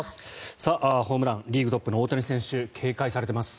ホームランリーグトップの大谷選手警戒されています。